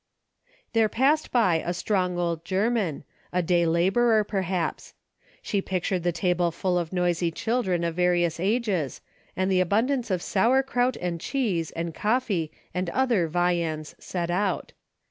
There passed by a strong old German, a day laborer perhaps. She pictured the table full of noisy children of various ages, and the abundance of sauerkraut and cheese and coffee and other viands set out.